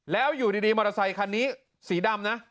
แล้วอยู่ดีมอเตอร์ไซคันนี้สีดำนะ